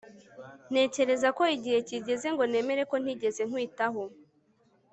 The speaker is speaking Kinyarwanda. ntekereza ko igihe kigeze ngo nemere ko ntigeze nkwitaho